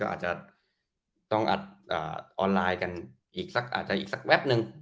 ก็อาจจะต้องอัดออนไลน์กันอีกสักแวบหนึ่ง